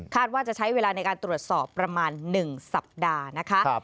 ว่าจะใช้เวลาในการตรวจสอบประมาณ๑สัปดาห์นะคะ